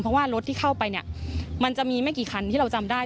เพราะว่ารถที่เข้าไปเนี่ยมันจะมีไม่กี่คันที่เราจำได้